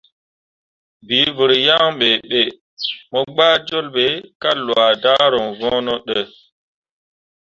Bii vər yaŋ ɓe be, mo gbah jol ɓe ka lwa daruŋ voŋno də.